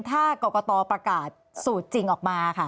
ถ้ากรกตประกาศสูตรจริงออกมาค่ะ